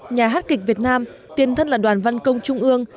nhà hát kịch việt nam tiền thân là đoàn văn công trung ương